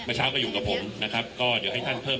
คุณผู้ชมไปฟังผู้ว่ารัฐกาลจังหวัดเชียงรายแถลงตอนนี้ค่ะ